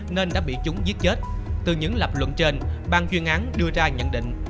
nên đã bị chúng giết chết từ những lập luận trên bàn chuyên án đưa ra nhận định